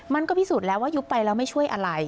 พิสูจน์แล้วว่ายุบไปแล้วไม่ช่วยอะไร